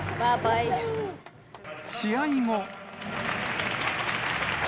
試合後。